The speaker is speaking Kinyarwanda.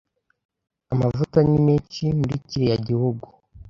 Amavuta ni menshi muri kiriya gihugu.